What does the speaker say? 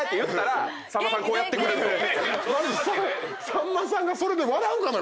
さんまさんがそれで笑うかな？